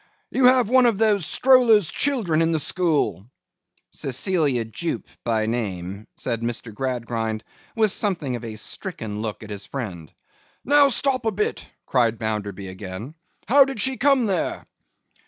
'You have one of those strollers' children in the school.' 'Cecilia Jupe, by name,' said Mr. Gradgrind, with something of a stricken look at his friend. 'Now, stop a bit!' cried Bounderby again. 'How did she come there?